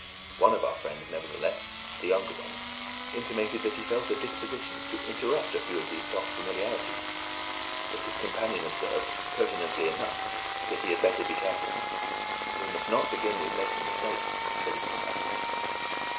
One of our friends, nevertheless the younger one intimated that he felt a disposition to interrupt a few of these soft familiarities; but his companion observed, pertinently enough, that he had better be careful. "We must not begin with making mistakes," said his companion.